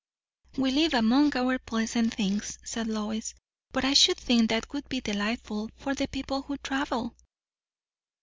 "We live among our pleasant things," said Lois; "but I should think that would be delightful for the people who travel."